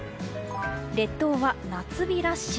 列島は夏日ラッシュ。